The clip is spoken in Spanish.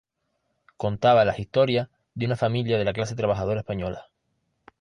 Contaba las historias de una familia de la clase trabajadora española.